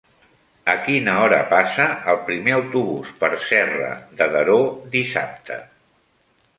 A quina hora passa el primer autobús per Serra de Daró dissabte?